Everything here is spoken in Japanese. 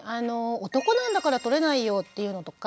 「男なんだからとれないよ」っていうのとか